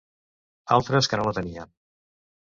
Altres, que no la tenien.